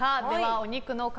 お肉の塊